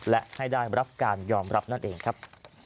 และให้ได้รับการยอมรับนั่นเองครับ